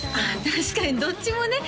確かにどっちもね